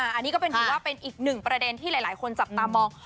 อันนี้ก็เป็นถือว่าเป็นอีกหนึ่งประเด็นที่หลายคนจับตามอง